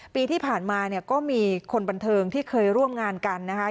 ปีที่ผ่านมาเนี่ยก็มีคนบันเทิงที่เคยร่วมงานกันนะคะ